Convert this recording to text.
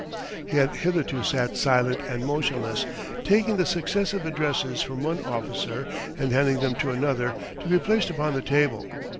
He had hitherto sat silent and motionless, taking the successive addresses from one officer and handing them to another to be placed upon the table.